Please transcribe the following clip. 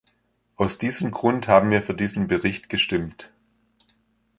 Aus diesem Grund haben wir für diesen Bericht gestimmt.